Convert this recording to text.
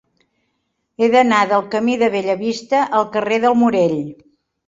He d'anar del camí de Bellavista al carrer del Morell.